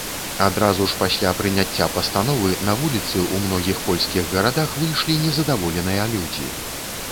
Адразу ж пасля прыняцця пастановы, на вуліцы ў многіх польскіх гарадах выйшлі незадаволеныя людзі.